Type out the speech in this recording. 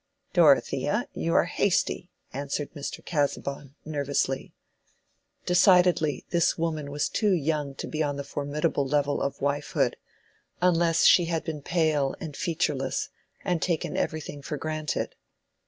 "Dorothea, you are hasty," answered Mr. Casaubon, nervously. Decidedly, this woman was too young to be on the formidable level of wifehood—unless she had been pale and featureless and taken everything for granted.